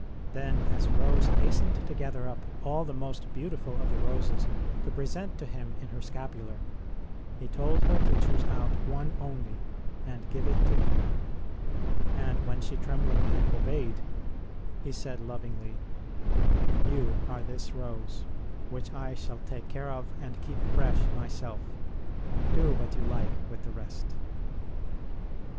Then, as Rose hastened to gather up all the most beautiful of the roses to present to Him in her scapular, He told her to choose out one only and give it to Him ; and when she tremblingly obeyed, He said lovingly : You are this Rose, which I shall take care of and keep fresh myself. Do what you like with the rest.